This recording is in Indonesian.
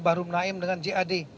bahru naim dengan jad